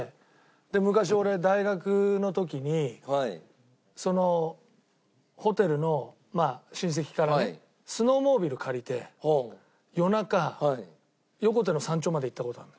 昔俺大学の時にそのホテルの親戚からねスノーモービルを借りて夜中横手の山頂まで行った事あるの。